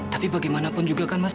tapi bagaimanapun juga kan mas